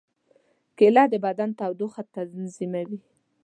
کېله د بدن تودوخه تنظیموي.